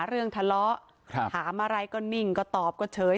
เรื่องทะเลาะถามอะไรก็นิ่งก็ตอบก็เฉย